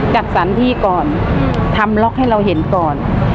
จัดสรรที่ก่อนทำล็อกให้เราเห็นก่อน